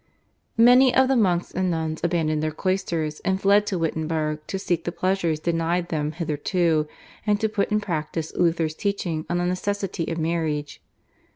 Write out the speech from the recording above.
Many of the monks and nuns abandoned their cloisters and fled to Wittenberg to seek the pleasures denied them hitherto, and to put in practice Luther's teaching on the necessity of marriage.